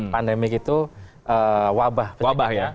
pandemik itu wabah